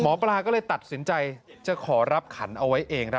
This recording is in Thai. หมอปลาก็เลยตัดสินใจจะขอรับขันเอาไว้เอง